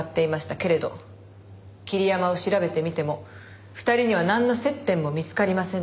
けれど桐山を調べてみても２人にはなんの接点も見つかりませんでした。